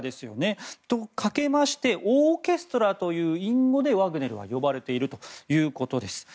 それとかけましてオーケストラという隠語でワグネルは呼ばれているということです。